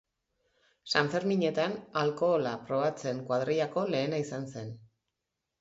Sanferminetan alkohola probatzen kuadrillako lehena izan zen.